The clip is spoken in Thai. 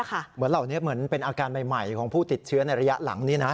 เหมือนเหล่านี้เหมือนเป็นอาการใหม่ของผู้ติดเชื้อในระยะหลังนี้นะ